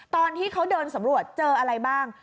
ตอนที่เขาเดินสำรวจเจออะไรบ้าง